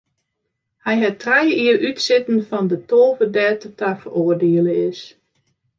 Hy hat trije jier útsitten fan de tolve dêr't er ta feroardiele is.